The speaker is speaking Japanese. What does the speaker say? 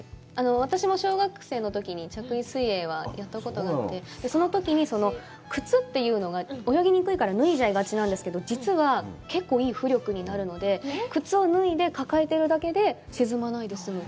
私も小学生のときに着衣水泳はやったことがあって、そのときに、靴というのが泳ぎにくいから脱いじゃいがちなんですけど、実は、結構いい浮力になるので、靴を脱いで抱えてるだけで沈まないで済む。